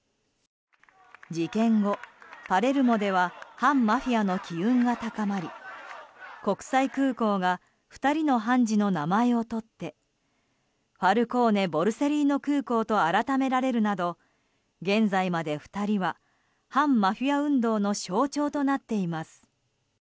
事件後、パレルモでは反マフィアの機運が高まり国際空港が２人の判事の名前をとってファルコーネ・ボルセリーノ空港と改められるなど現在まで２人は反マフィア運動の象徴となっています。